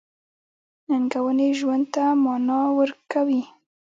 • ننګونې ژوند ته مانا ورکوي.